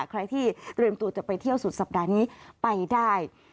ใครที่เตรียมตัวจะไปเที่ยวสุดสัปดาห์นี้ไปได้